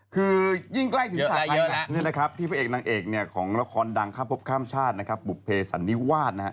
คือยิ่งใกล้ถึงสถานที่พระเอกนางเอกของละครดังค่าพบข้ามชาติปุเปสันนิวาส